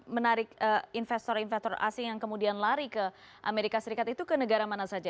menarik investor investor asing yang kemudian lari ke amerika serikat itu ke negara mana saja